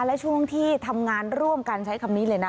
และช่วงที่ทำงานร่วมกันใช้คำนี้เลยนะ